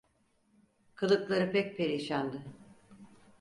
Kılıkları pek perişandı.